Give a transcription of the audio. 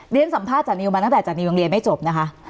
สัมภาษณ์จานิวมาตั้งแต่จานิวโรงเรียนไม่จบนะคะ